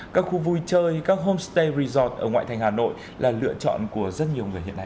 các khu vui chơi các homestay resort ở ngoại thành hà nội là lựa chọn của rất nhiều người hiện nay